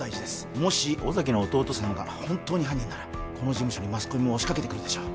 もし尾崎の弟さんが本当に犯人ならこの事務所にマスコミも押しかけてくるでしょう